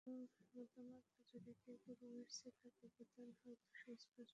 যদিও অধিকাংশ মতামত জরিপের পূর্বাভাস ছিল, ব্যবধান হয়তো সুস্পষ্ট হবে না।